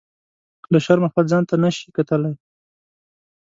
له شرمه خپل ځان ته نه شي کتلی.